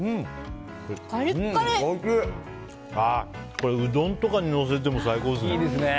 これ、うどんとかにのせても最高ですね。